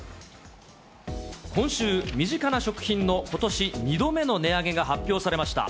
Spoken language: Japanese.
今週、身近な食品のことし２度目の値上げが発表されました。